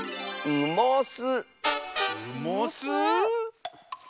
うもす！